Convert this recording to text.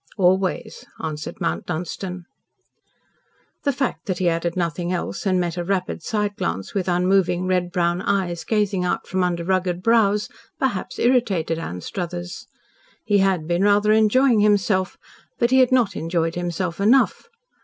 "Always," answered Mount Dunstan. The fact that he added nothing else and met a rapid side glance with unmoving red brown eyes gazing out from under rugged brows, perhaps irritated Anstruthers. He had been rather enjoying himself, but he had not enjoyed himself enough.